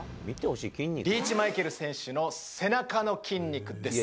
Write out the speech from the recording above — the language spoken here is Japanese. リーチマイケル選手の背中の筋肉です。